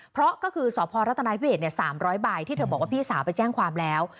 เพราะก็คือสพรัฐนาวิเศษ๓๐๐ใบที่เธอบอกว่าพี่สาวไปแจ้งความแล้ว